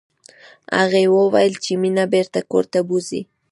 هغې وویل چې مينه بېرته کور ته بوزئ